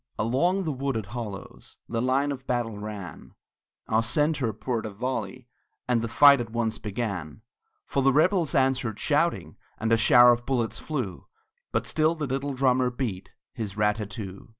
Along the wooded hollows The line of battle ran, Our centre poured a volley, And the fight at once began; For the rebels answered shouting, And a shower of bullets flew; But still the little drummer beat His rat tat too.